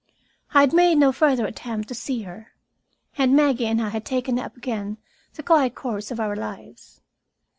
I had made no further attempt to see her, and Maggie and I had taken up again the quiet course of our lives.